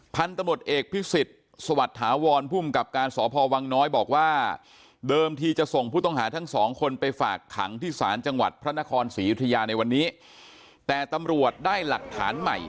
พันธุ์ตมติเอกพิสิทธิ์สวัสดิ์ถาวรพุ่มกับการสอพวังน้อยบอกว่า